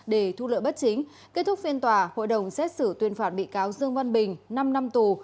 để thu lợi bất chính kết thúc phiên tòa hội đồng xét xử tuyên phạt bị cáo dương văn bình năm năm tù